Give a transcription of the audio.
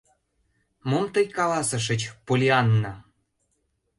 — Мом тый каласышыч, Поллианна?